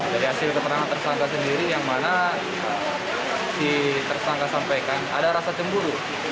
dari hasil keterangan tersangka sendiri yang mana si tersangka sampaikan ada rasa cemburu